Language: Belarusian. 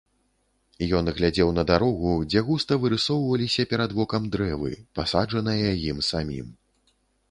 Ён глядзеў на дарогу, дзе густа вырысоўваліся перад вокам дрэвы, пасаджаныя ім самім.